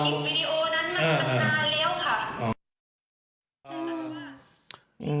จะทำลูกอะไรประมาณนี้ค่ะแล้วก็คลิปวีดีโอนั้นมันมานานแล้วค่ะ